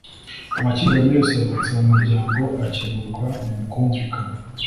Amakimbirane yose avutse mu muryango akemurwa mu bwumvikane